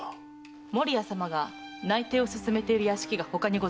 守屋様が内偵を進めている屋敷が他にございます。